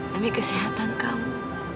demi kesehatan kamu